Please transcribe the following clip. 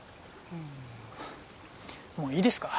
もういいですか？